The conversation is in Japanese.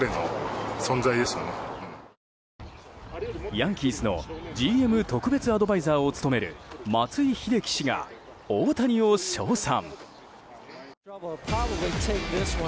ヤンキースのＧＭ特別アドバイザーを務める松井秀喜氏が、大谷を称賛。